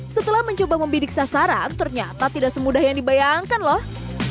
setelah mencoba membidik sasaran ternyata tidak semudah yang dibayangkan loh